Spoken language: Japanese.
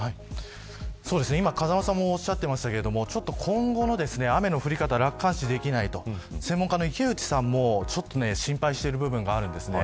今、風間さんも言っていましたが今後の雨の降り方楽観視できないと専門家の池内さんも心配している部分があります。